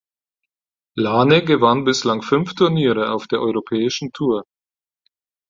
Lane gewann bislang fünf Turniere auf der europäischen Tour.